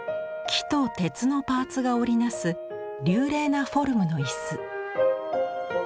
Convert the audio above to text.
木と鉄のパーツが織り成す流麗なフォルムの椅子。